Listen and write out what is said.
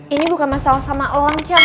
ini bukan masalah sama orang cang